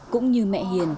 cũng như mẹ hiền